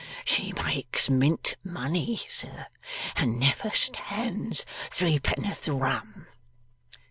She makes Mint money, sir, and never stands Threepenn'orth Rum.